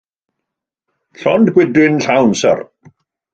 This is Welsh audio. Llond gwydryn llawn, syr.